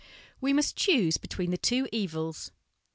We must choose between the two evils."